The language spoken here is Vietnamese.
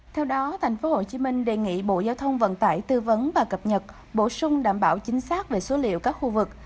theo đó tp hcm đề nghị bộ giao thông vận tải tư vấn và cập nhật bổ sung đảm bảo chính xác về số liệu các khu vực